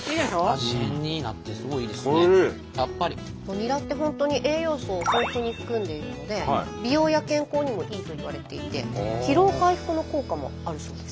ニラって本当に栄養素を豊富に含んでいるので美容や健康にもいいといわれていて疲労回復の効果もあるそうです。